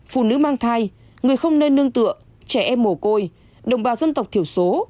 phụ nữ mang thai người không nơi nương tựa trẻ em mổ côi đồng bào dân tộc thiểu số